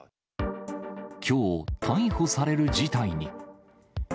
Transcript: きょう、逮捕される事態に。